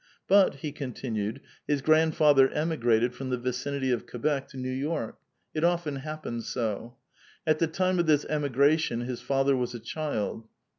But, he continued, his grandfather emigrated from the vicinity of Quebec to New York ; it often happened so. At the time of this emigration his father was a child.